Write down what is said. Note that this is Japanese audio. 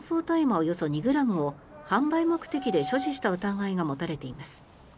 およそ２ｇを販売目的で所持した疑いが持たれています。